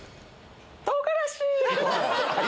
唐辛子！